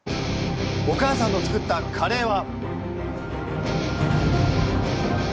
お母さんの作ったカレーは。